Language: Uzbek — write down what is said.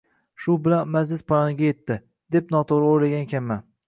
Shu bilan majlis poyoniga etdi, deb noto`g`ri o`ylagan ekanman